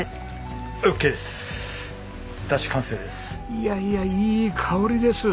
いやいやいい香りです。